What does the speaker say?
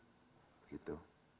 tapi dia bakal pilih disitu